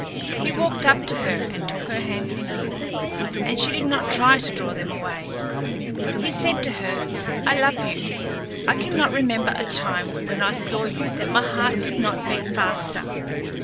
He walked up to her and took her hands in his, and she did not try to draw them away. He said to her, "I love you; I cannot remember a time when I saw you that my heart did not beat faster.